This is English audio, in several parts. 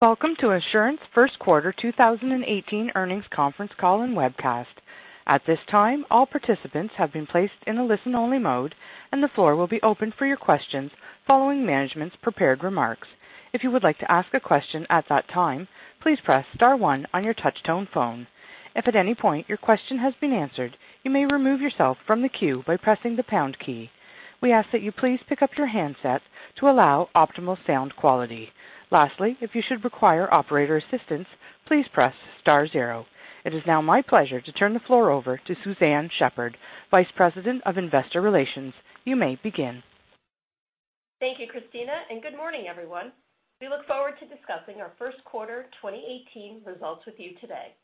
Welcome to Assurant's first quarter 2018 earnings conference call and webcast. At this time, all participants have been placed in a listen-only mode, and the floor will be open for your questions following management's prepared remarks. If you would like to ask a question at that time, please press star one on your touch-tone phone. If at any point your question has been answered, you may remove yourself from the queue by pressing the pound key. We ask that you please pick up your handsets to allow optimal sound quality. Lastly, if you should require operator assistance, please press star zero. It is now my pleasure to turn the floor over to Suzanne Shepherd, Vice President of Investor Relations. You may begin. Thank you, Christina, good morning, everyone. We look forward to discussing our first quarter 2018 results with you today.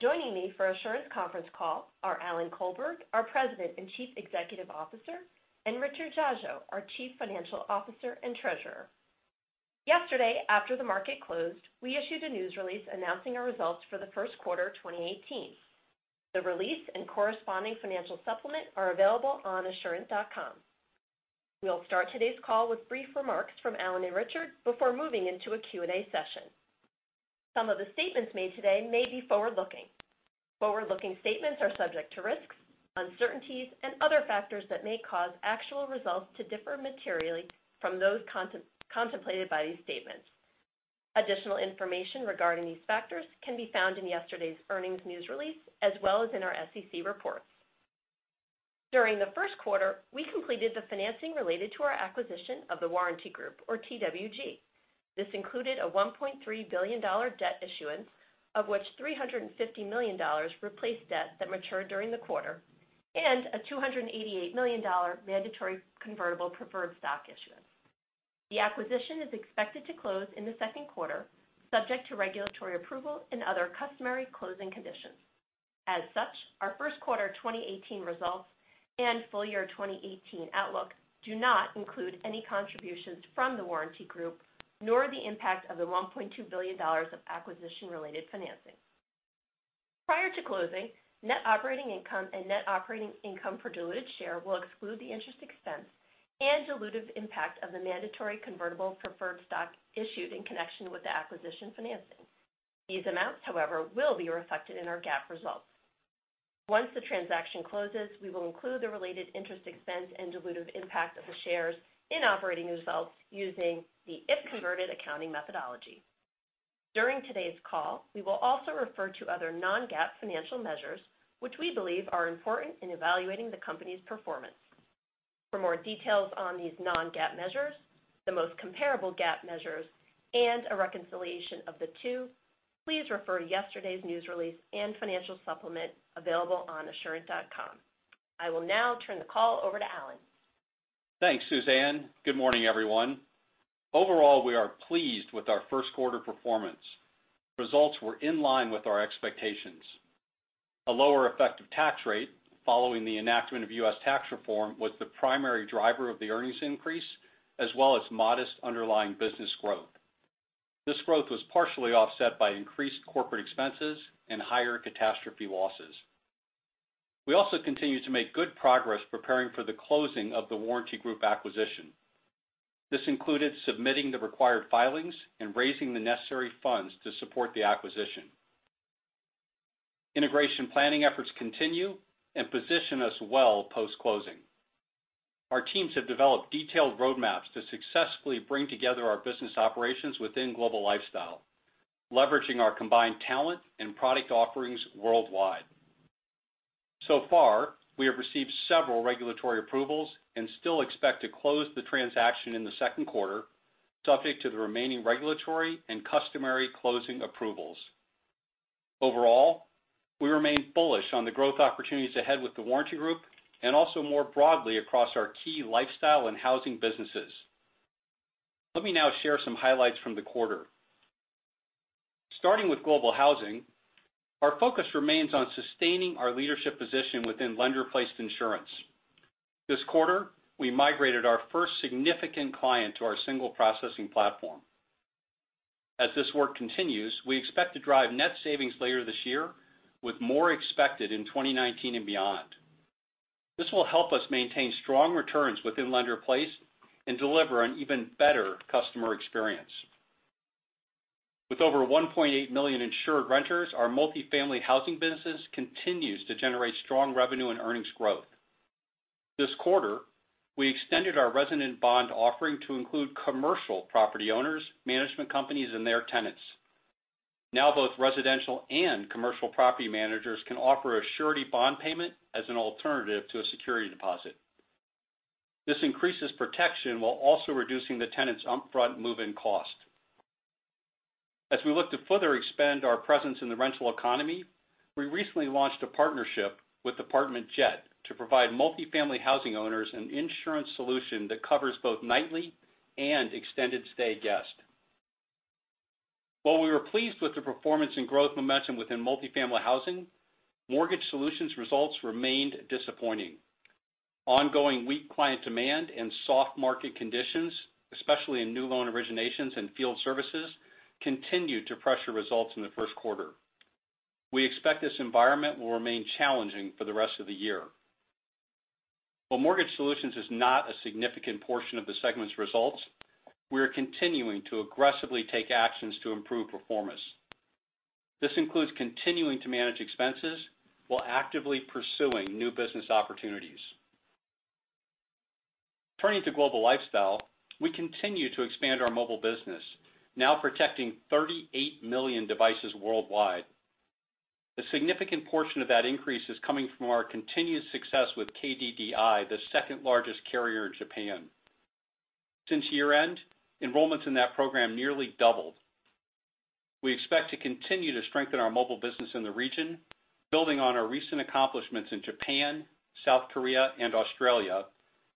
Joining me for Assurant's conference call are Alan Colberg, our President and Chief Executive Officer, Richard Dziadzio, our Chief Financial Officer and Treasurer. Yesterday, after the market closed, we issued a news release announcing our results for the first quarter 2018. The release and corresponding financial supplement are available on assurant.com. We'll start today's call with brief remarks from Alan and Richard before moving into a Q&A session. Some of the statements made today may be forward-looking. Forward-looking statements are subject to risks, uncertainties, and other factors that may cause actual results to differ materially from those contemplated by these statements. Additional information regarding these factors can be found in yesterday's earnings news release, as well as in our SEC reports. During the first quarter, we completed the financing related to our acquisition of The Warranty Group, or TWG. This included a $1.3 billion debt issuance, of which $350 million replaced debt that matured during the quarter, and a $288 million mandatory convertible preferred stock issuance. The acquisition is expected to close in the second quarter, subject to regulatory approval and other customary closing conditions. As such, our first quarter 2018 results and full year 2018 outlook do not include any contributions from The Warranty Group, nor the impact of the $1.2 billion of acquisition-related financing. Prior to closing, net operating income and net operating income per diluted share will exclude the interest expense and dilutive impact of the mandatory convertible preferred stock issued in connection with the acquisition financing. These amounts, however, will be reflected in our GAAP results. Once the transaction closes, we will include the related interest expense and dilutive impact of the shares in operating results using the if-converted accounting methodology. During today's call, we will also refer to other non-GAAP financial measures, which we believe are important in evaluating the company's performance. For more details on these non-GAAP measures, the most comparable GAAP measures, and a reconciliation of the two, please refer to yesterday's news release and financial supplement available on assurant.com. I will now turn the call over to Alan. Thanks, Suzanne. Good morning, everyone. Overall, we are pleased with our first quarter performance. Results were in line with our expectations. A lower effective tax rate following the enactment of U.S. tax reform was the primary driver of the earnings increase, as well as modest underlying business growth. This growth was partially offset by increased corporate expenses and higher catastrophe losses. We also continue to make good progress preparing for the closing of The Warranty Group acquisition. This included submitting the required filings and raising the necessary funds to support the acquisition. Integration planning efforts continue and position us well post-closing. Our teams have developed detailed roadmaps to successfully bring together our business operations within Global Lifestyle, leveraging our combined talent and product offerings worldwide. So far, we have received several regulatory approvals and still expect to close the transaction in the second quarter, subject to the remaining regulatory and customary closing approvals. Overall, we remain bullish on the growth opportunities ahead with The Warranty Group and also more broadly across our key lifestyle and housing businesses. Let me now share some highlights from the quarter. Starting with Global Housing, our focus remains on sustaining our leadership position within lender-placed insurance. This quarter, we migrated our first significant client to our single processing platform. As this work continues, we expect to drive net savings later this year, with more expected in 2019 and beyond. This will help us maintain strong returns within lender-placed and deliver an even better customer experience. With over 1.8 million insured renters, our Multifamily Housing business continues to generate strong revenue and earnings growth. This quarter, we extended our resident bond offering to include commercial property owners, management companies, and their tenants. Now, both residential and commercial property managers can offer a surety bond payment as an alternative to a security deposit. This increases protection while also reducing the tenant's upfront move-in cost. As we look to further expand our presence in the rental economy, we recently launched a partnership with ApartmentJet to provide Multifamily Housing owners an insurance solution that covers both nightly and extended stay guests. While we were pleased with the performance and growth momentum within Multifamily Housing, Mortgage Solutions results remained disappointing. Ongoing weak client demand and soft market conditions, especially in new loan originations and field services, continued to pressure results in the first quarter. We expect this environment will remain challenging for the rest of the year. While Mortgage Solutions is not a significant portion of the segment's results, we are continuing to aggressively take actions to improve performance. This includes continuing to manage expenses while actively pursuing new business opportunities. Turning to Global Lifestyle, we continue to expand our mobile business, now protecting 38 million devices worldwide. A significant portion of that increase is coming from our continued success with KDDI, the second largest carrier in Japan. Since year-end, enrollment in that program nearly doubled. We expect to continue to strengthen our mobile business in the region, building on our recent accomplishments in Japan, South Korea, and Australia,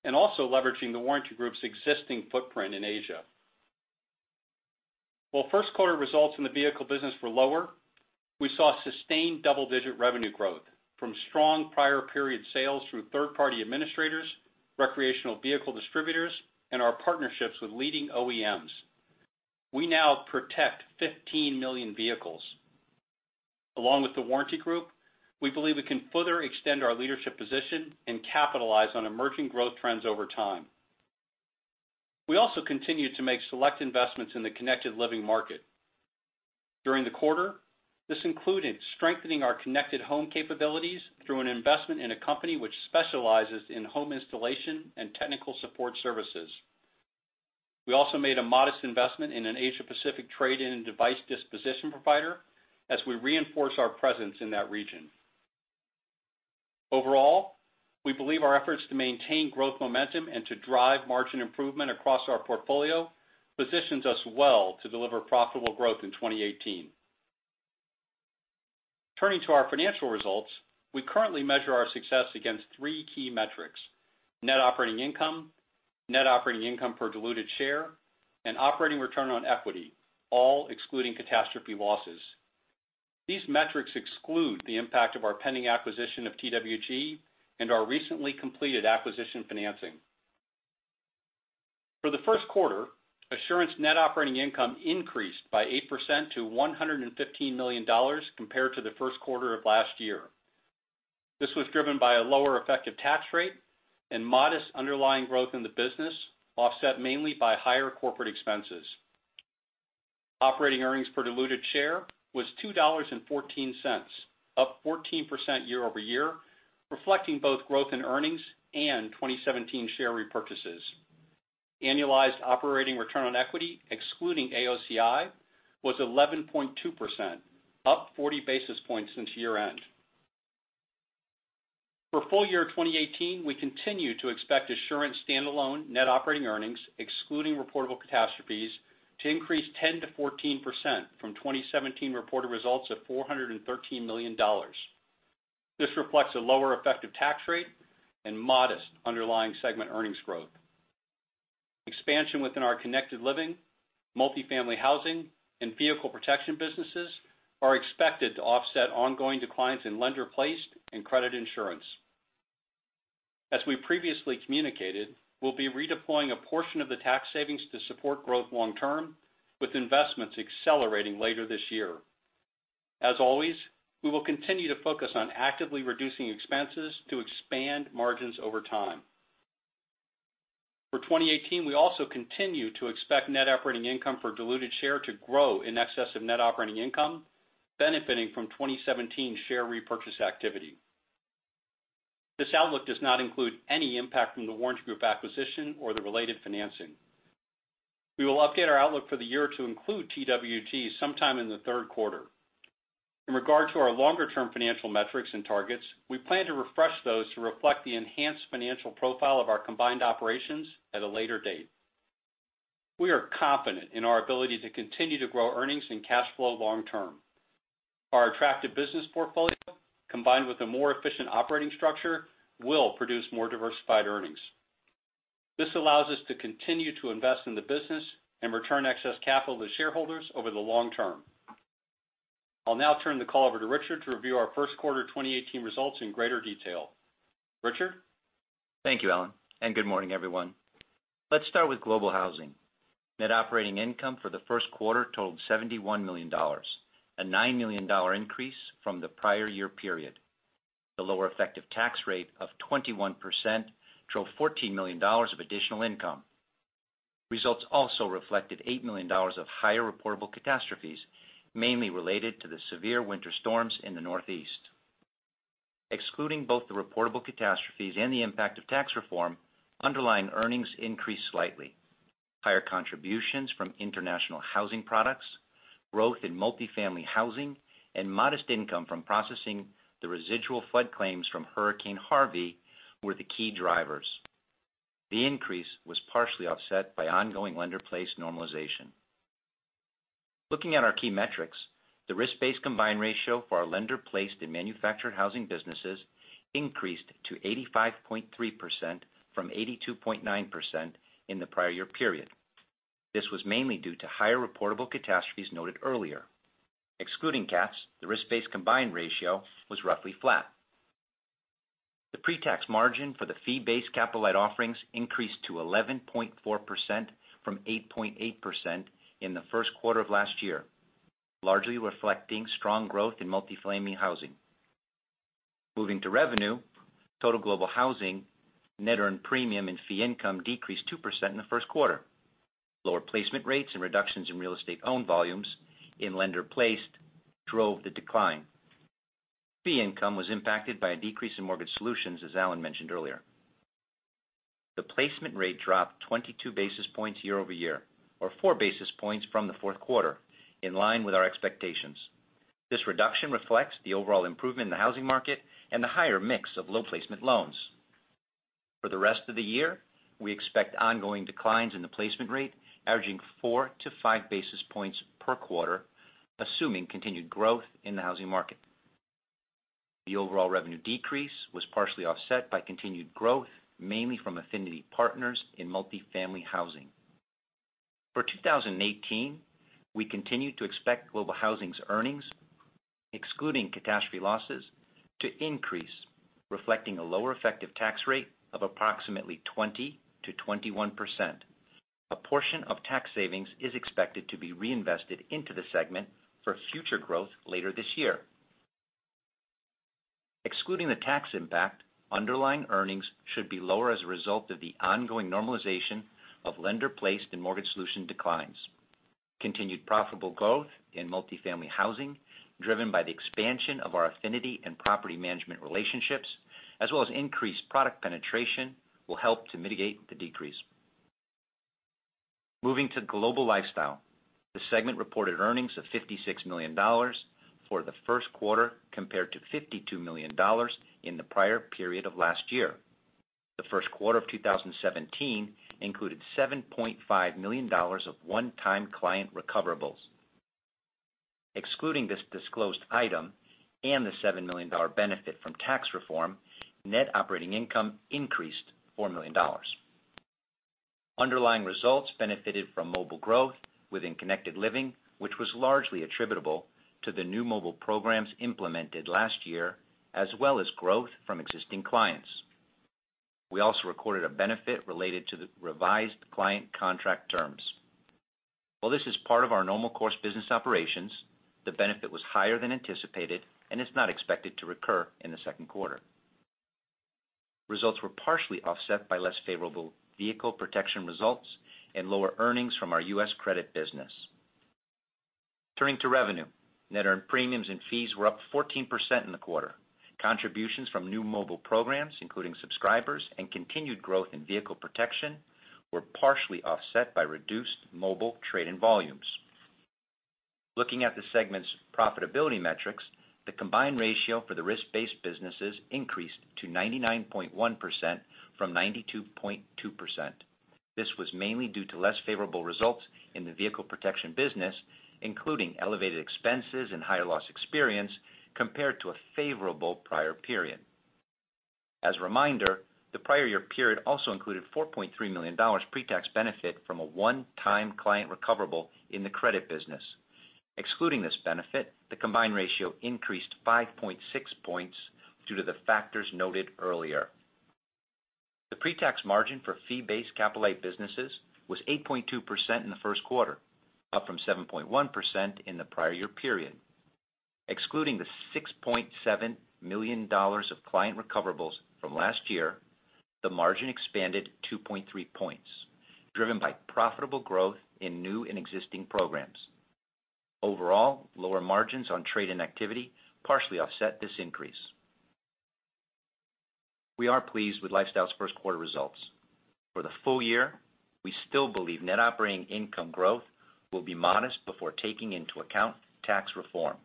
and also leveraging The Warranty Group's existing footprint in Asia. While first quarter results in the vehicle business were lower, we saw sustained double-digit revenue growth from strong prior period sales through third-party administrators, recreational vehicle distributors, and our partnerships with leading OEMs. We now protect 15 million vehicles. Along with The Warranty Group, we believe we can further extend our leadership position and capitalize on emerging growth trends over time. We also continue to make select investments in the Connected Living market. During the quarter, this included strengthening our connected home capabilities through an investment in a company which specializes in home installation and technical support services. We also made a modest investment in an Asia-Pacific trade-in device disposition provider as we reinforce our presence in that region. Overall, we believe our efforts to maintain growth momentum and to drive margin improvement across our portfolio positions us well to deliver profitable growth in 2018. Turning to our financial results, we currently measure our success against three key metrics: net operating income, net operating income per diluted share, and operating return on equity, all excluding catastrophe losses. These metrics exclude the impact of our pending acquisition of TWG and our recently completed acquisition financing. For the first quarter, Assurant's net operating income increased by 8% to $115 million compared to the first quarter of last year. This was driven by a lower effective tax rate and modest underlying growth in the business, offset mainly by higher corporate expenses. Operating earnings per diluted share was $2.14, up 14% year-over-year, reflecting both growth in earnings and 2017 share repurchases. Annualized operating return on equity excluding AOCI was 11.2%, up 40 basis points since year-end. For full year 2018, we continue to expect Assurant's standalone net operating earnings, excluding reportable catastrophes, to increase 10%-14% from 2017 reported results of $413 million. This reflects a lower effective tax rate and modest underlying segment earnings growth. Expansion within our Connected Living, Multifamily Housing, and vehicle protection businesses are expected to offset ongoing declines in lender-placed and credit insurance. As we previously communicated, we'll be redeploying a portion of the tax savings to support growth long term, with investments accelerating later this year. As always, we will continue to focus on actively reducing expenses to expand margins over time. For 2018, we also continue to expect net operating income per diluted share to grow in excess of net operating income, benefiting from 2017 share repurchase activity. This outlook does not include any impact from The Warranty Group acquisition or the related financing. We will update our outlook for the year to include TWG sometime in the third quarter. In regard to our longer-term financial metrics and targets, we plan to refresh those to reflect the enhanced financial profile of our combined operations at a later date. We are confident in our ability to continue to grow earnings and cash flow long term. Our attractive business portfolio, combined with a more efficient operating structure, will produce more diversified earnings. This allows us to continue to invest in the business and return excess capital to shareholders over the long term. I'll now turn the call over to Richard to review our first quarter 2018 results in greater detail. Richard? Thank you, Alan, and good morning, everyone. Let's start with Global Housing. Net operating income for the first quarter totaled $71 million, a $9 million increase from the prior year period. The lower effective tax rate of 21% drove $14 million of additional income. Results also reflected $8 million of higher reportable catastrophes, mainly related to the severe winter storms in the Northeast. Excluding both the reportable catastrophes and the impact of tax reform, underlying earnings increased slightly. Higher contributions from international housing products, growth in Multifamily Housing, and modest income from processing the residual flood claims from Hurricane Harvey were the key drivers. The increase was partially offset by ongoing lender-placed normalization. Looking at our key metrics, the risk-based combined ratio for our lender-placed and manufactured housing businesses increased to 85.3% from 82.9% in the prior year period. This was mainly due to higher reportable catastrophes noted earlier. Excluding cats, the risk-based combined ratio was roughly flat. The pre-tax margin for the fee-based credit offerings increased to 11.4% from 8.8% in the first quarter of last year. Largely reflecting strong growth in Multifamily Housing. Moving to revenue, total Global Housing net earned premium and fee income decreased 2% in the first quarter. Lower placement rates and reductions in real estate owned volumes in lender-placed drove the decline. Fee income was impacted by a decrease in Mortgage Solutions as Alan mentioned earlier. The placement rate dropped 22 basis points year-over-year, or four basis points from the fourth quarter, in line with our expectations. This reduction reflects the overall improvement in the housing market and the higher mix of low placement loans. For the rest of the year, we expect ongoing declines in the placement rate, averaging four to five basis points per quarter, assuming continued growth in the housing market. The overall revenue decrease was partially offset by continued growth, mainly from affinity partners in Multifamily Housing. For 2018, we continue to expect Global Housing's earnings, excluding catastrophe losses, to increase, reflecting a lower effective tax rate of approximately 20%-21%. A portion of tax savings is expected to be reinvested into the segment for future growth later this year. Excluding the tax impact, underlying earnings should be lower as a result of the ongoing normalization of lender-placed and Mortgage Solutions declines. Continued profitable growth in Multifamily Housing, driven by the expansion of our affinity and property management relationships, as well as increased product penetration, will help to mitigate the decrease. Moving to Global Lifestyle. The segment reported earnings of $56 million for the first quarter, compared to $52 million in the prior period of last year. The first quarter of 2017 included $7.5 million of one-time client recoverables. Excluding this disclosed item and the $7 million benefit from tax reform, net operating income increased $4 million. Underlying results benefited from mobile growth within Connected Living, which was largely attributable to the new mobile programs implemented last year, as well as growth from existing clients. We also recorded a benefit related to the revised client contract terms. While this is part of our normal course business operations, the benefit was higher than anticipated and is not expected to recur in the second quarter. Results were partially offset by less favorable vehicle protection results and lower earnings from our U.S. credit business. Turning to revenue. Net earned premiums and fees were up 14% in the quarter. Contributions from new mobile programs, including subscribers and continued growth in vehicle protection, were partially offset by reduced mobile trade-in volumes. Looking at the segment's profitability metrics, the combined ratio for the risk-based businesses increased to 99.1% from 92.2%. This was mainly due to less favorable results in the vehicle protection business, including elevated expenses and higher loss experience, compared to a favorable prior period. As a reminder, the prior year period also included $4.3 million pre-tax benefit from a one-time client recoverable in the credit business. Excluding this benefit, the combined ratio increased 5.6 points due to the factors noted earlier. The pre-tax margin for fee-based capital-light businesses was 8.2% in the first quarter, up from 7.1% in the prior year period. Excluding the $6.7 million of client recoverables from last year, the margin expanded 2.3 points, driven by profitable growth in new and existing programs. Lower margins on trade-in activity partially offset this increase. We are pleased with Lifestyle's first quarter results. For the full year, we still believe net operating income growth will be modest before taking into account tax reform.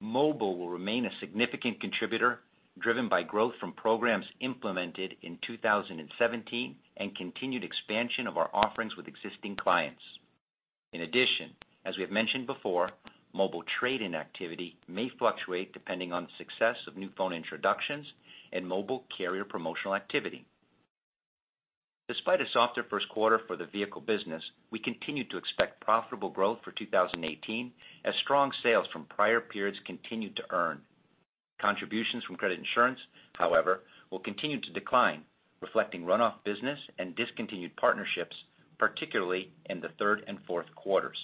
Mobile will remain a significant contributor, driven by growth from programs implemented in 2017 and continued expansion of our offerings with existing clients. As we have mentioned before, mobile trade-in activity may fluctuate depending on the success of new phone introductions and mobile carrier promotional activity. Despite a softer first quarter for the vehicle business, we continue to expect profitable growth for 2018 as strong sales from prior periods continue to earn. Contributions from credit insurance, however, will continue to decline, reflecting runoff business and discontinued partnerships, particularly in the third and fourth quarters.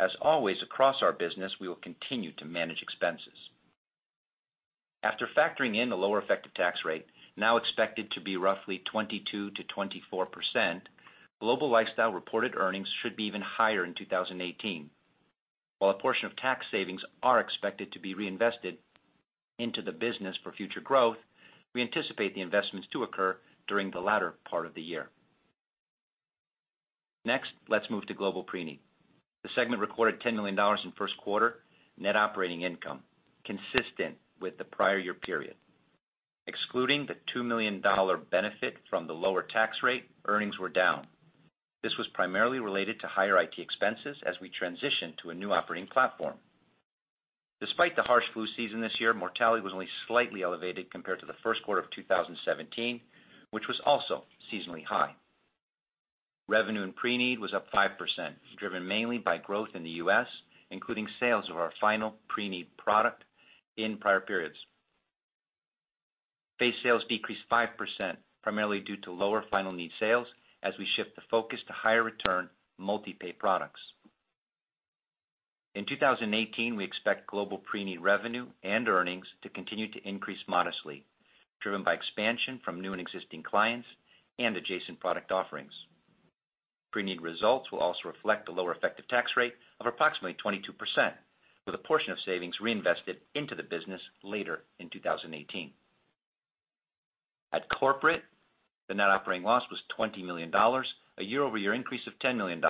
Across our business, we will continue to manage expenses. After factoring in the lower effective tax rate, now expected to be roughly 22%-24%, Global Lifestyle reported earnings should be even higher in 2018. While a portion of tax savings are expected to be reinvested into the business for future growth, we anticipate the investments to occur during the latter part of the year. Let's move to Global Preneed. The segment recorded $10 million in first quarter net operating income, consistent with the prior year period. Excluding the $2 million benefit from the lower tax rate, earnings were down. This was primarily related to higher IT expenses as we transition to a new operating platform. Despite the harsh flu season this year, mortality was only slightly elevated compared to the first quarter of 2017, which was also seasonally high. Revenue in Preneed was up 5%, driven mainly by growth in the U.S., including sales of our final Preneed product in prior periods. Preneed sales decreased 5%, primarily due to lower final expense sales as we shift the focus to higher return multi-pay products. We expect Global Preneed revenue and earnings to continue to increase modestly in 2018, driven by expansion from new and existing clients and adjacent product offerings. Preneed results will also reflect the lower effective tax rate of approximately 22%, with a portion of savings reinvested into the business later in 2018. At corporate, the net operating loss was $20 million, a year-over-year increase of $10 million.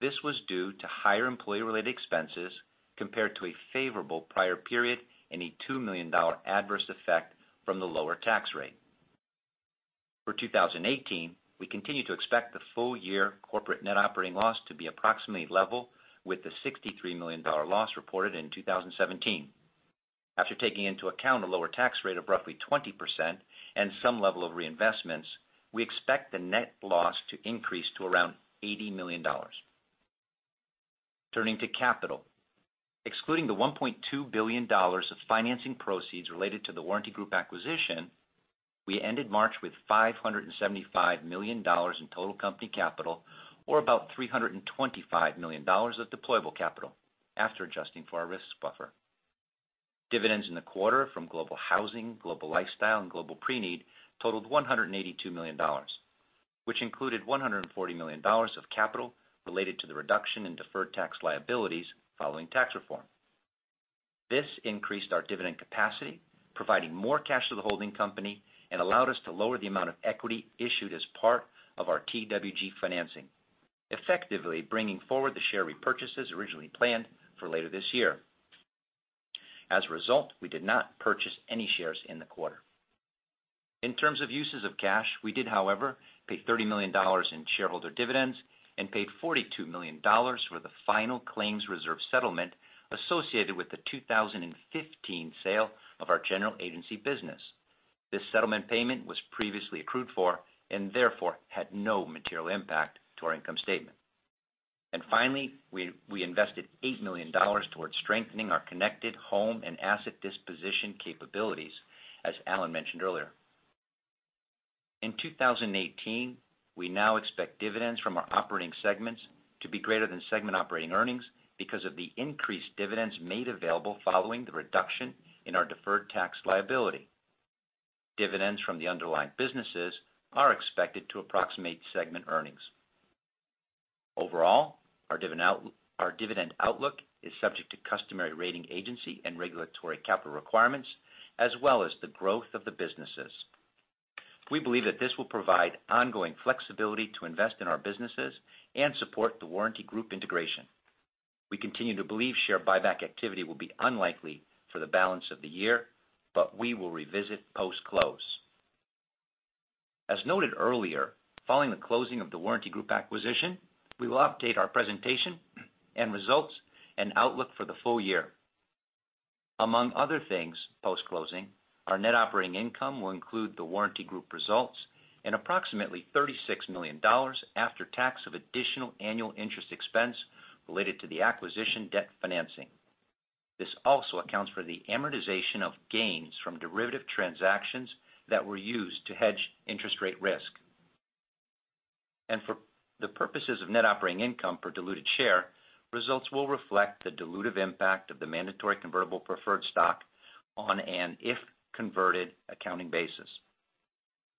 This was due to higher employee-related expenses compared to a favorable prior period and a $2 million adverse effect from the lower tax rate. For 2018, we continue to expect the full-year corporate net operating loss to be approximately level with the $63 million loss reported in 2017. After taking into account a lower tax rate of roughly 20% and some level of reinvestments, we expect the net loss to increase to around $80 million. Turning to capital. Excluding the $1.2 billion of financing proceeds related to The Warranty Group acquisition, we ended March with $575 million in total company capital or about $325 million of deployable capital after adjusting for our risk buffer. Dividends in the quarter from Global Housing, Global Lifestyle, and Global Preneed totaled $182 million, which included $140 million of capital related to the reduction in deferred tax liabilities following tax reform. This increased our dividend capacity, providing more cash to the holding company and allowed us to lower the amount of equity issued as part of our TWG financing, effectively bringing forward the share repurchases originally planned for later this year. As a result, we did not purchase any shares in the quarter. In terms of uses of cash, we did, however, pay $30 million in shareholder dividends and paid $42 million for the final claims reserve settlement associated with the 2015 sale of our general agency business. This settlement payment was previously accrued for and therefore had no material impact to our income statement. Finally, we invested $8 million towards strengthening our connected home and asset disposition capabilities, as Alan mentioned earlier. In 2018, we now expect dividends from our operating segments to be greater than segment operating earnings because of the increased dividends made available following the reduction in our deferred tax liability. Dividends from the underlying businesses are expected to approximate segment earnings. Overall, our dividend outlook is subject to customary rating agency and regulatory capital requirements, as well as the growth of the businesses. We believe that this will provide ongoing flexibility to invest in our businesses and support The Warranty Group integration. We continue to believe share buyback activity will be unlikely for the balance of the year, but we will revisit post-close. As noted earlier, following the closing of The Warranty Group acquisition, we will update our presentation and results and outlook for the full year. Among other things, post-closing, our net operating income will include The Warranty Group results and approximately $36 million after tax of additional annual interest expense related to the acquisition debt financing. This also accounts for the amortization of gains from derivative transactions that were used to hedge interest rate risk. For the purposes of net operating income per diluted share, results will reflect the dilutive impact of the mandatory convertible preferred stock on an if converted accounting basis.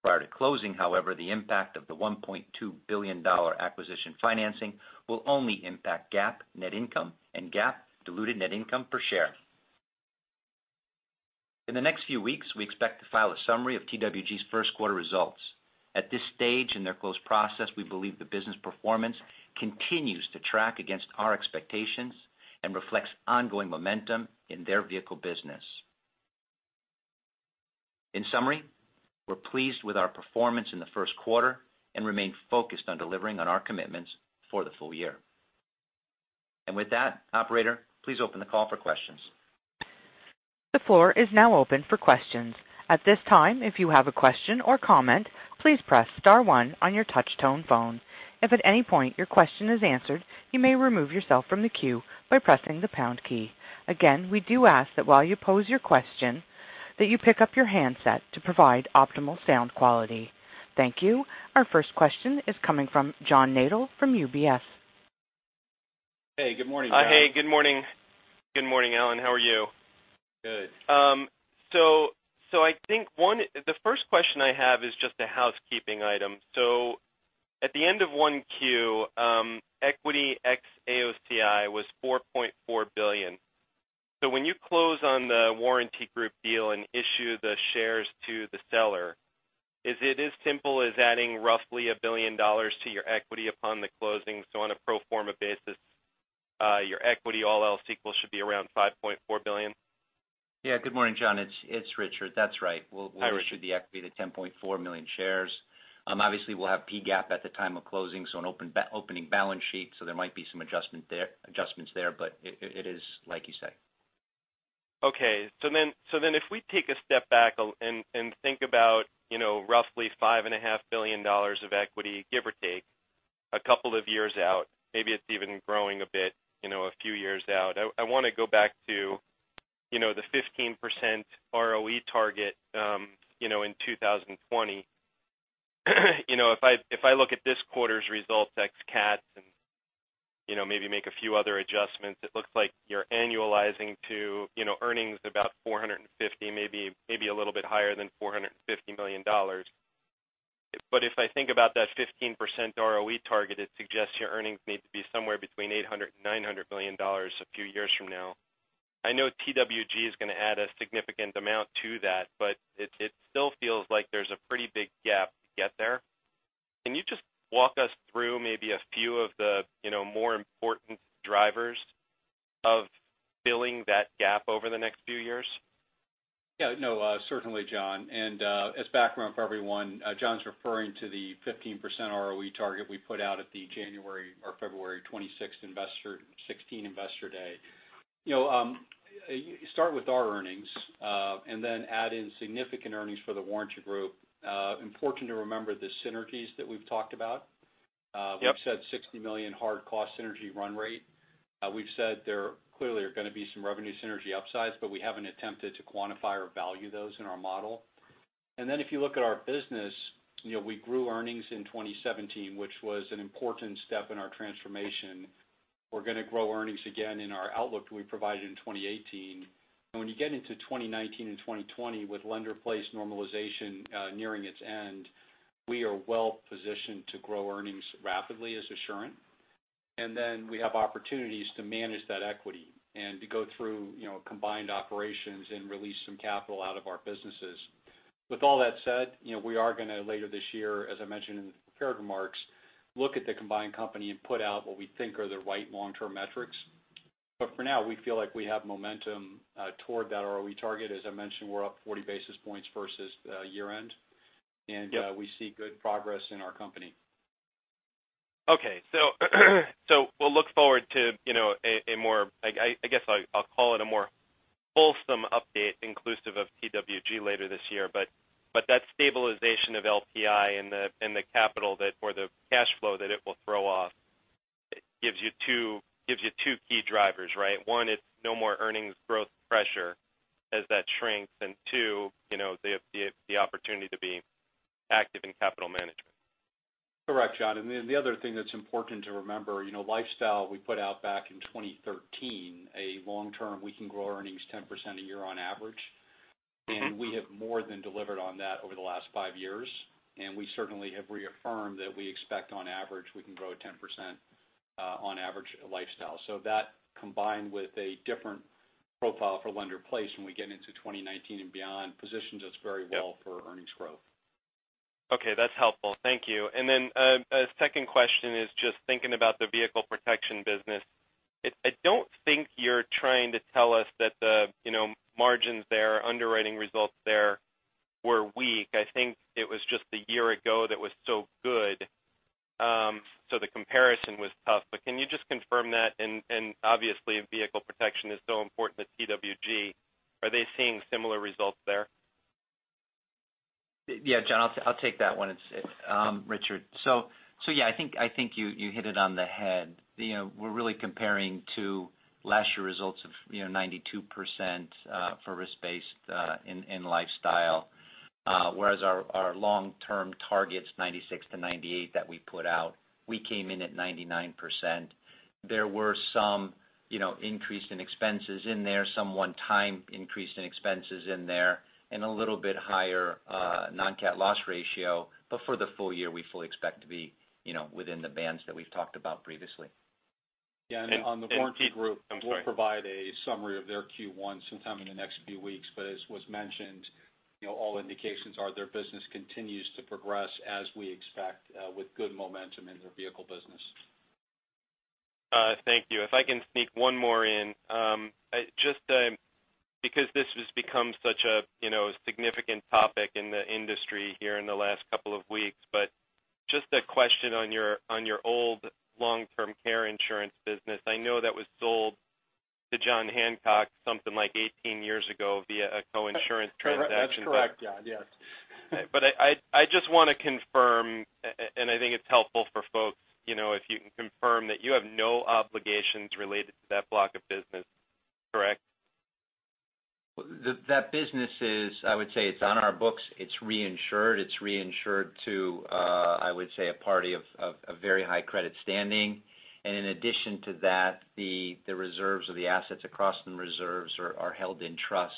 Prior to closing, however, the impact of the $1.2 billion acquisition financing will only impact GAAP net income and GAAP diluted net income per share. In the next few weeks, we expect to file a summary of TWG's first quarter results. At this stage in their close process, we believe the business performance continues to track against our expectations and reflects ongoing momentum in their vehicle business. In summary, we're pleased with our performance in the first quarter and remain focused on delivering on our commitments for the full year. With that, operator, please open the call for questions. The floor is now open for questions. At this time, if you have a question or comment, please press star one on your touch-tone phone. If at any point your question is answered, you may remove yourself from the queue by pressing the pound key. Again, we do ask that while you pose your question that you pick up your handset to provide optimal sound quality. Thank you. Our first question is coming from John Nadel from UBS. Hey, good morning, John. Hey, good morning. Good morning, Alan. How are you? Good. I think the first question I have is just a housekeeping item. At the end of 1Q, equity ex AOCI was $4.4 billion. When you close on The Warranty Group deal and issue the shares to the seller, is it as simple as adding roughly $1 billion to your equity upon the closing? On a pro forma basis, your equity, all else equal, should be around $5.4 billion? Good morning, John. It's Richard. That's right. Hi, Richard. We'll issue the equity to 10.4 million shares. Obviously, we'll have PGAAP at the time of closing, an opening balance sheet, so there might be some adjustments there, but it is like you say. Okay. If we take a step back and think about roughly $5.5 billion of equity, give or take a couple of years out, maybe it's even growing a bit a few years out. I want to go back to the 15% ROE target in 2020. If I look at this quarter's results, ex cats, and maybe make a few other adjustments, it looks like you're annualizing to earnings about $450, maybe a little bit higher than $450 million. If I think about that 15% ROE target, it suggests your earnings need to be somewhere between $800 million and $900 million a few years from now. I know TWG is going to add a significant amount to that, but it still feels like there's a pretty big gap to get there. Can you just walk us through maybe a few of the more important drivers of filling that gap over the next few years? Certainly, John. As background for everyone, John's referring to the 15% ROE target we put out at the February 26, 2016 investor day. Start with our earnings, and then add in significant earnings for The Warranty Group. Important to remember the synergies that we've talked about. Yep. We've said $60 million hard cost synergy run rate. We haven't attempted to quantify or value those in our model. If you look at our business, we grew earnings in 2017, which was an important step in our transformation. We're going to grow earnings again in our outlook we provided in 2018. When you get into 2019 and 2020 with lender-placed normalization nearing its end, we are well positioned to grow earnings rapidly as Assurant. We have opportunities to manage that equity and to go through combined operations and release some capital out of our businesses. With all that said, we are going to later this year, as I mentioned in the prepared remarks, look at the combined company and put out what we think are the right long-term metrics. For now, we feel like we have momentum toward that ROE target. As I mentioned, we're up 40 basis points versus year-end. Yep. We see good progress in our company. Okay. We'll look forward to a more, I guess I'll call it a more wholesome update inclusive of TWG later this year. That stabilization of LPI and the cash flow that it will throw off gives you two key drivers, right? One is no more earnings growth pressure as that shrinks, and two, they have the opportunity to be active in capital management. Correct, John. The other thing that's important to remember, Global Lifestyle we put out back in 2013 a long-term we can grow earnings 10% a year on average. We have more than delivered on that over the last five years, we certainly have reaffirmed that we expect on average, we can grow at 10% on average at Global Lifestyle. That combined with a different profile for lender-placed when we get into 2019 and beyond, positions us very well for earnings growth. Okay. That's helpful. Thank you. A second question is just thinking about the vehicle protection business. I don't think you're trying to tell us that the margins there, underwriting results there were weak. I think it was just the year ago that was so good, so the comparison was tough. Can you just confirm that? Obviously, vehicle protection is so important to TWG. Are they seeing similar results there? Yeah, John, I'll take that one. It's Richard. Yeah, I think you hit it on the head. We're really comparing to last year results of 92% for risk-based in Global Lifestyle. Whereas our long-term target's 96%-98% that we put out, we came in at 99%. There were some increase in expenses in there, some one-time increase in expenses in there, and a little bit higher non-cat loss ratio. For the full year, we fully expect to be within the bands that we've talked about previously. Yeah, on The Warranty Group- Pete, I'm sorry we'll provide a summary of their Q1 sometime in the next few weeks. As was mentioned, all indications are their business continues to progress as we expect with good momentum in their vehicle business. Thank you. If I can sneak one more in. Just because this has become such a significant topic in the industry here in the last couple of weeks. Just a question on your old long-term care insurance business. I know that was sold to John Hancock something like 18 years ago via a co-insurance transaction. That's correct, John. Yes. I just want to confirm, and I think it's helpful for folks, if you can confirm that you have no obligations related to that block of business, correct? That business is, I would say it's on our books. It's reinsured. It's reinsured to, I would say, a party of a very high credit standing. In addition to that, the reserves or the assets across from reserves are held in trust.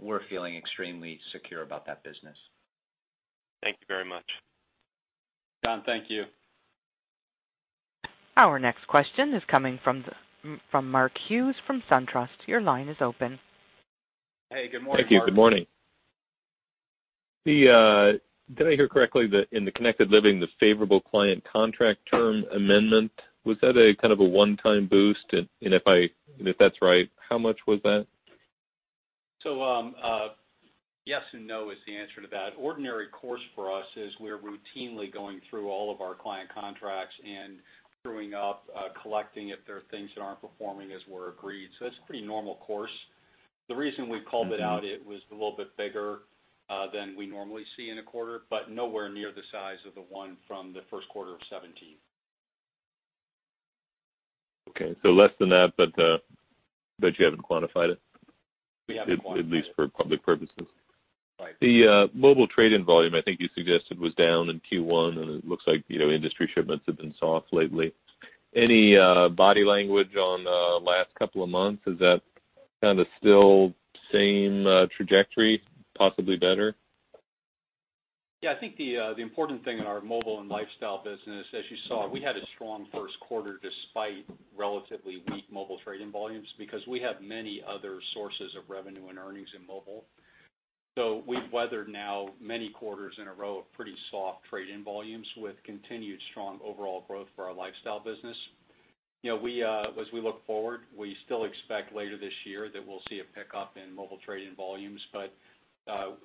We're feeling extremely secure about that business. Thank you very much. John, thank you. Our next question is coming from Mark Hughes from SunTrust. Your line is open. Hey, good morning, Mark. Thank you. Good morning. Did I hear correctly that in the Connected Living, the favorable client contract term amendment, was that a kind of a one-time boost? If that's right, how much was that? Yes and no is the answer to that. Ordinary course for us is we're routinely going through all of our client contracts and trueing up, collecting if there are things that aren't performing as were agreed. That's pretty normal course. The reason we called it out, it was a little bit bigger than we normally see in a quarter, but nowhere near the size of the one from the first quarter of 2017. Okay. Less than that, but you haven't quantified it? We haven't quantified it. At least for public purposes. Right. The mobile trade-in volume, I think you suggested, was down in Q1, it looks like industry shipments have been soft lately. Any body language on the last couple of months? Is that kind of still same trajectory, possibly better? I think the important thing in our mobile and lifestyle business, as you saw, we had a strong first quarter despite relatively weak mobile trade-in volumes because we have many other sources of revenue and earnings in mobile. We've weathered now many quarters in a row of pretty soft trade-in volumes with continued strong overall growth for our lifestyle business. As we look forward, we still expect later this year that we'll see a pickup in mobile trade-in volumes.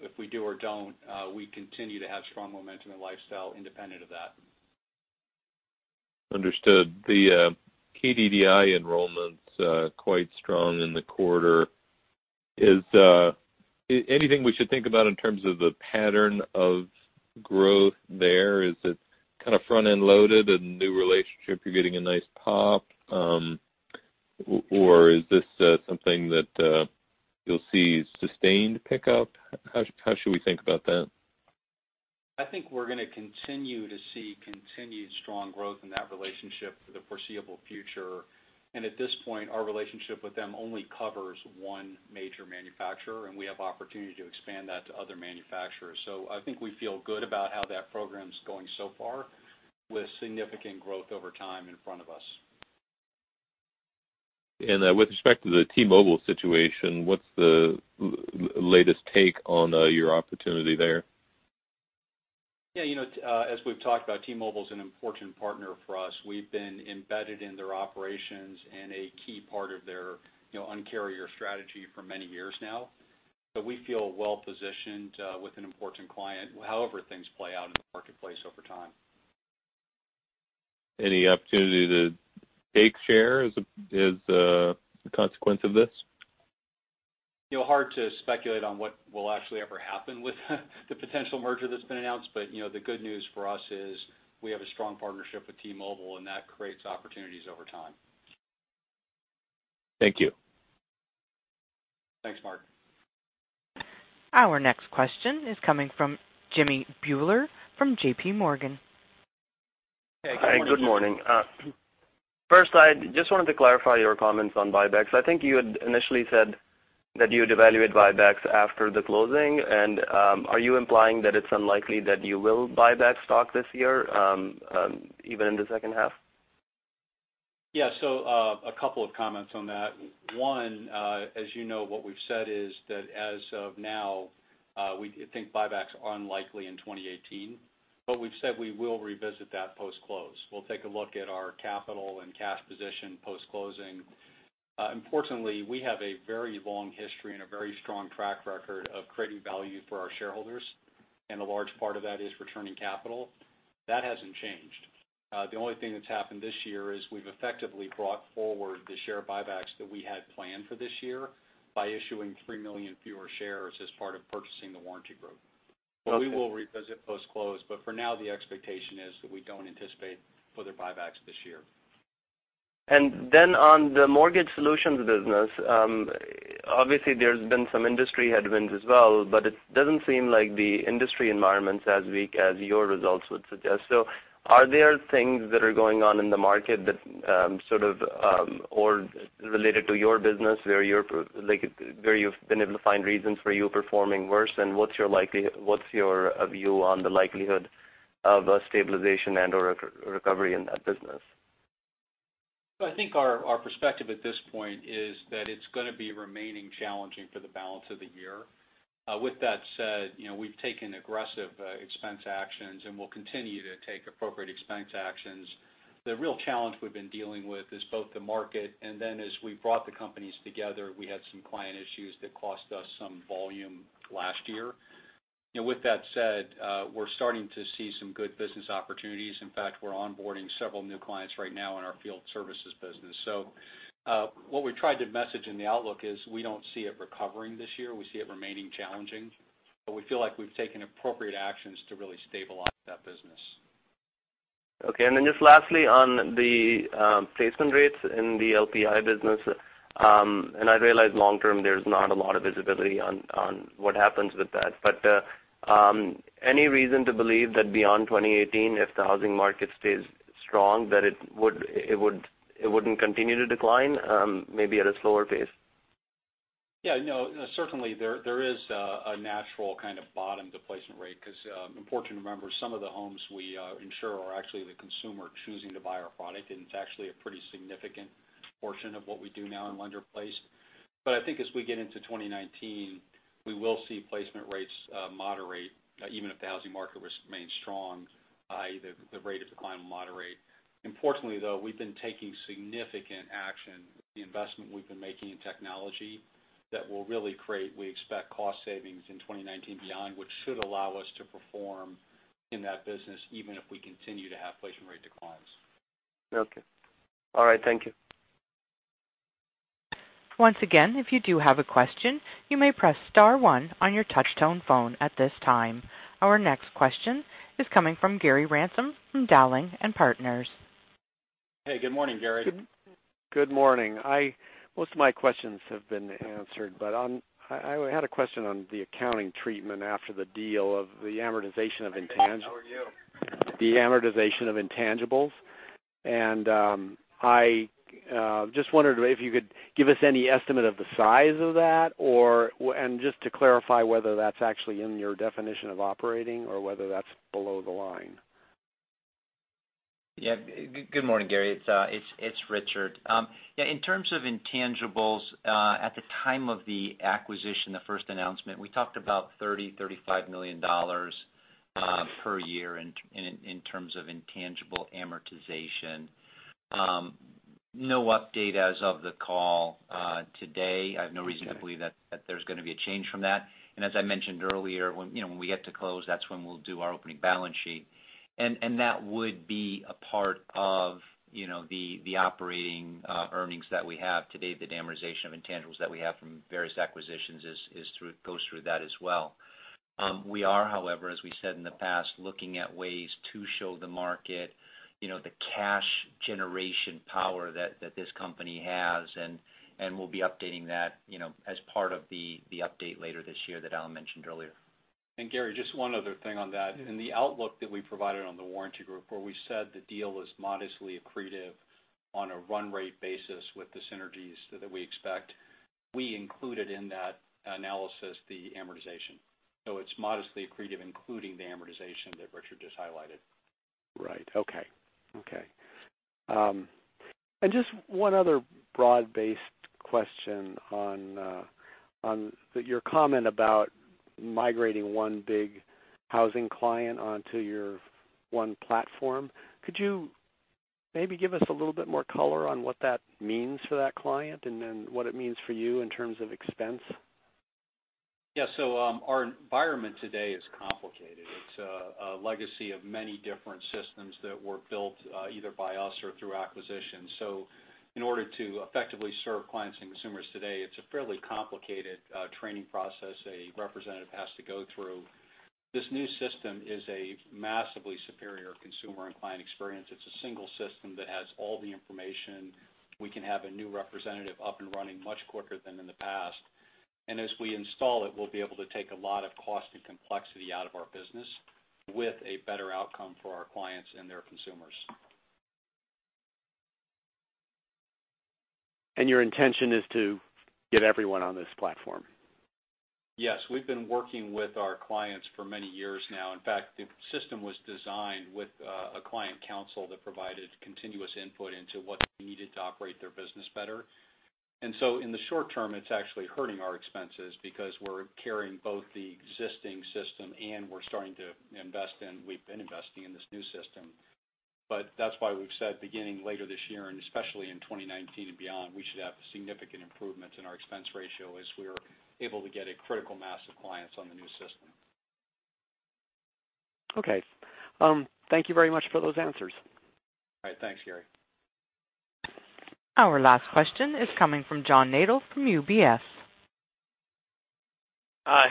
If we do or don't, we continue to have strong momentum in lifestyle independent of that. Understood. The KDDI enrollment's quite strong in the quarter. Is anything we should think about in terms of the pattern of growth there? Is it kind of front-end loaded, a new relationship, you're getting a nice pop? Is this something that you'll see sustained pickup? How should we think about that? I think we're going to continue to see continued strong growth in that relationship for the foreseeable future. At this point, our relationship with them only covers one major manufacturer, and we have opportunity to expand that to other manufacturers. I think we feel good about how that program's going so far with significant growth over time in front of us. With respect to the T-Mobile situation, what's the latest take on your opportunity there? Yeah. As we've talked about, T-Mobile's an important partner for us. We've been embedded in their operations and a key part of their Un-carrier strategy for many years now. We feel well-positioned with an important client, however things play out in the marketplace over time. Any opportunity to take share as a consequence of this? Hard to speculate on what will actually ever happen with the potential merger that's been announced. The good news for us is we have a strong partnership with T-Mobile. That creates opportunities over time. Thank you. Thanks, Mark. Our next question is coming from Jimmy Bhullar from J.P. Morgan. Hey, good morning. Hi, good morning. First, I just wanted to clarify your comments on buybacks. I think you had initially said that you'd evaluate buybacks after the closing. Are you implying that it's unlikely that you will buy back stock this year, even in the second half? A couple of comments on that. One, as you know, what we've said is that as of now, we think buyback's unlikely in 2018. We've said we will revisit that post-close. We'll take a look at our capital and cash position post-closing. Fortunately, we have a very long history and a very strong track record of creating value for our shareholders, and a large part of that is returning capital. That hasn't changed. The only thing that's happened this year is we've effectively brought forward the share buybacks that we had planned for this year by issuing 3 million fewer shares as part of purchasing The Warranty Group. We will revisit post-close, but for now, the expectation is that we don't anticipate further buybacks this year. Then on the Mortgage Solutions business, obviously there's been some industry headwinds as well, but it doesn't seem like the industry environment's as weak as your results would suggest. Are there things that are going on in the market that sort of, or related to your business where you've been able to find reasons for you performing worse, and what's your view on the likelihood of a stabilization and/or a recovery in that business? I think our perspective at this point is that it's going to be remaining challenging for the balance of the year. With that said, we've taken aggressive expense actions, and we'll continue to take appropriate expense actions. The real challenge we've been dealing with is both the market, and then as we brought the companies together, we had some client issues that cost us some volume last year. With that said, we're starting to see some good business opportunities. In fact, we're onboarding several new clients right now in our field services business. What we tried to message in the outlook is we don't see it recovering this year. We see it remaining challenging. We feel like we've taken appropriate actions to really stabilize that business. Then just lastly on the placement rates in the LPI business, and I realize long term, there's not a lot of visibility on what happens with that. Any reason to believe that beyond 2018, if the housing market stays strong, that it wouldn't continue to decline, maybe at a slower pace? Certainly there is a natural kind of bottom to placement rate because, important to remember, some of the homes we insure are actually the consumer choosing to buy our product, and it's actually a pretty significant portion of what we do now in lender-placed. I think as we get into 2019, we will see placement rates moderate, even if the housing market remains strong, i.e. the rate of decline will moderate. Unfortunately, though, we've been taking significant action with the investment we've been making in technology that will really create, we expect, cost savings in 2019 beyond, which should allow us to perform in that business even if we continue to have placement rate declines. Thank you. Once again, if you do have a question, you may press star one on your touch-tone phone at this time. Our next question is coming from Gary Ransom from Dowling & Partners. Good morning, Gary. Good morning. Most of my questions have been answered. I had a question on the accounting treatment after the deal of the amortization of I think I know you The amortization of intangibles. I just wondered if you could give us any estimate of the size of that or just to clarify whether that's actually in your definition of operating or whether that's below the line. Good morning, Gary. It's Richard. In terms of intangibles, at the time of the acquisition, the first announcement, we talked about $30 million-$35 million per year in terms of intangible amortization. No update as of the call today. I have no reason to believe that there's going to be a change from that. As I mentioned earlier, when we get to close, that's when we'll do our opening balance sheet. That would be a part of the operating earnings that we have today. The amortization of intangibles that we have from various acquisitions goes through that as well. We are, however, as we said in the past, looking at ways to show the market the cash generation power that this company has, and we'll be updating that as part of the update later this year that Alan mentioned earlier. Gary, just one other thing on that. In the outlook that we provided on the Warranty Group, where we said the deal was modestly accretive on a run rate basis with the synergies that we expect, we included in that analysis the amortization. It's modestly accretive, including the amortization that Richard just highlighted. Right. Okay. Just one other broad-based question on your comment about migrating one big housing client onto your one platform. Could you maybe give us a little bit more color on what that means for that client and then what it means for you in terms of expense? Yeah. Our environment today is complicated. It's a legacy of many different systems that were built, either by us or through acquisition. In order to effectively serve clients and consumers today, it's a fairly complicated training process a representative has to go through. This new system is a massively superior consumer and client experience. It's a single system that has all the information. We can have a new representative up and running much quicker than in the past. As we install it, we'll be able to take a lot of cost and complexity out of our business with a better outcome for our clients and their consumers. Your intention is to get everyone on this platform? Yes. We've been working with our clients for many years now. In fact, the system was designed with a client council that provided continuous input into what they needed to operate their business better. In the short term, it's actually hurting our expenses because we're carrying both the existing system and we've been investing in this new system. That's why we've said beginning later this year, and especially in 2019 and beyond, we should have significant improvements in our expense ratio as we are able to get a critical mass of clients on the new system. Okay. Thank you very much for those answers. All right. Thanks, Gary. Our last question is coming from John Nadel from UBS. I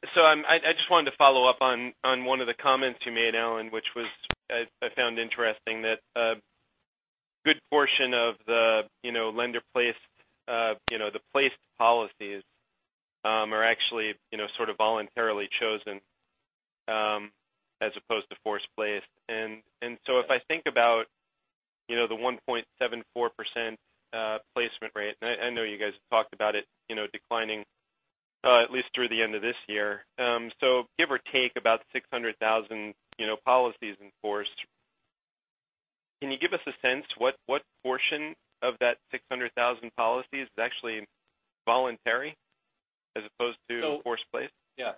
just wanted to follow up on one of the comments you made, Alan, which was, I found interesting, that a good portion of the lender-placed, the placed policies, are actually sort of voluntarily chosen, as opposed to force-placed. If I think about the 1.74% placement rate, and I know you guys have talked about it declining at least through the end of this year. Give or take about 600,000 policies in force, can you give us a sense what portion of that 600,000 policies is actually voluntary as opposed to force-placed? Yeah.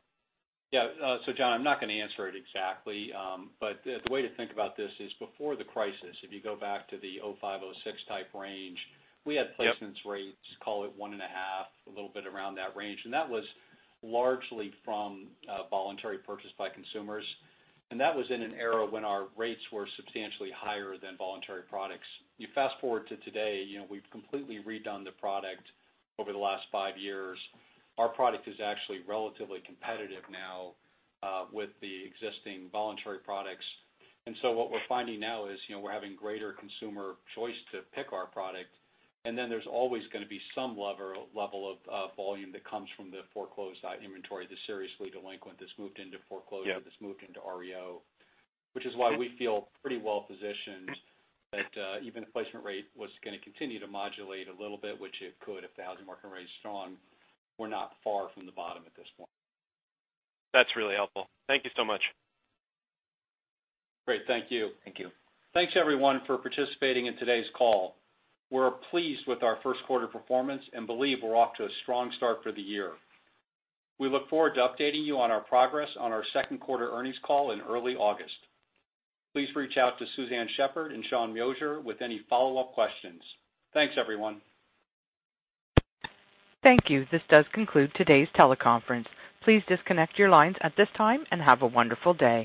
John, I'm not going to answer it exactly. The way to think about this is before the crisis, if you go back to the 2005, 2006 type range, we had placements rates, call it 1.5, a little bit around that range. That was largely from voluntary purchase by consumers. That was in an era when our rates were substantially higher than voluntary products. You fast-forward to today, we've completely redone the product over the last 5 years. Our product is actually relatively competitive now with the existing voluntary products. What we're finding now is we're having greater consumer choice to pick our product, and then there's always going to be some level of volume that comes from the foreclosed inventory, the seriously delinquent that's moved into foreclosure- Yeah that's moved into REO, which is why we feel pretty well-positioned that even if placement rate was going to continue to modulate a little bit, which it could if the housing market remains strong, we're not far from the bottom at this point. That's really helpful. Thank you so much. Great. Thank you. Thank you. Thanks, everyone, for participating in today's call. We're pleased with our first quarter performance and believe we're off to a strong start for the year. We look forward to updating you on our progress on our second quarter earnings call in early August. Please reach out to Suzanne Shepherd and Sean Moshier with any follow-up questions. Thanks, everyone. Thank you. This does conclude today's teleconference. Please disconnect your lines at this time and have a wonderful day.